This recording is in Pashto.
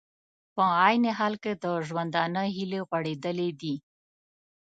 په عین حال کې د ژوندانه هیلې غوړېدلې دي